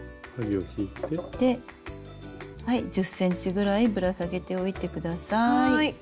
１０ｃｍぐらいぶら下げておいてください。